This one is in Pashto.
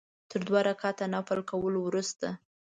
تر دوه رکعته نفل کولو وروسته.